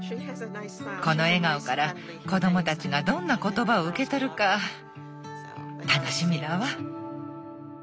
この笑顔から子供たちがどんな言葉を受け取るか楽しみだわ。